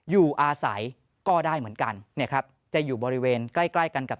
อยู่อาศัยก็ได้เหมือนกันเนี่ยครับจะอยู่บริเวณใกล้ใกล้กันกับ